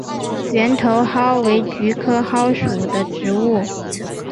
圆头蒿为菊科蒿属的植物。